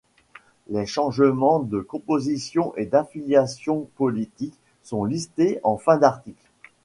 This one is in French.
Les changements de composition et d'affiliation politique sont listés en fin d'article.